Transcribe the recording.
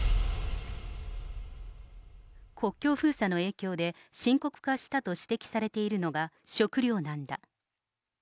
国境封鎖の影響で、深刻化したと指摘されているのが食糧難だ。